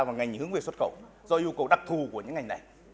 và ngành hướng về xuất khẩu do yêu cầu đặc thù của những ngành này